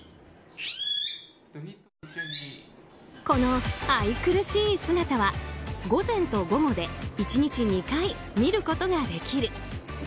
この愛くるしい姿は午前と午後で１日２回見ることができる。